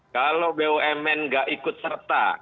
kalau bumn nggak ikut serta